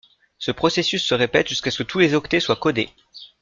Ce processus se répète jusqu'à ce que tous les octets soient codés.